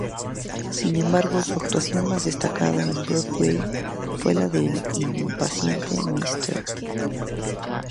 Sin embargo, su actuación más destacada en Broadway fue como la impaciente Mrs.